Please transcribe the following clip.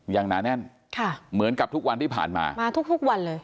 หนาแน่นค่ะเหมือนกับทุกวันที่ผ่านมามาทุกทุกวันเลย